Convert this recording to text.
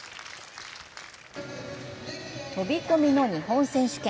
飛び込みの日本選手権。